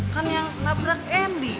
kan yang nabrak andy